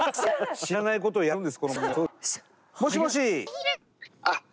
知らないことをやるんです